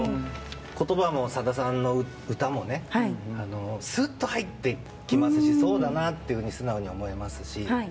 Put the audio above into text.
言葉も、さださんの歌もすっと入ってきますしそうだなと素直に思いますし。